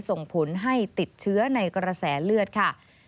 ส่งผลให้ติดเชื้อในกระแสเลือดค่ะ